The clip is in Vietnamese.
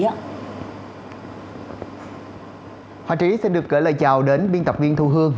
hoàng trí sẽ được gửi lời chào đến biên tập viên thu hương